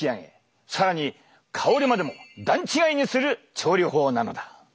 更に香りまでも段違いにする調理法なのだ！